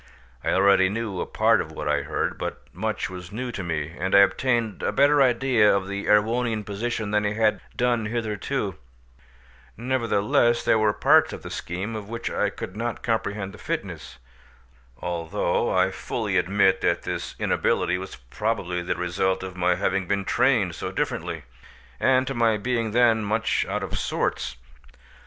I already knew a part of what I heard, but much was new to me, and I obtained a better idea of the Erewhonian position than I had done hitherto: nevertheless there were parts of the scheme of which I could not comprehend the fitness, although I fully admit that this inability was probably the result of my having been trained so very differently, and to my being then much out of sorts.